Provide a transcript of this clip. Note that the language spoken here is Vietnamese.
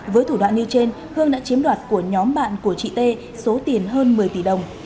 với thủ đoạn như trên hương đã chiếm đoạt của nhóm bạn của chị t số tiền hơn một mươi tỷ đồng